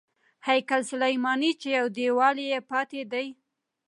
هیکل سلیماني چې یو دیوال یې پاتې دی.